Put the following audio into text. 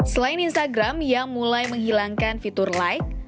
selain instagram yang mulai menghilangkan fitur like